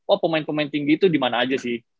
oh pemain pemain tinggi itu dimana aja sih